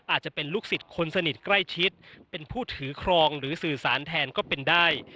อาจจะเป็นลูกศิษย์คนสนิทใกล้ชิดเป็นผู้ถือครองหรือสื่อสารแทนก็เป็นได้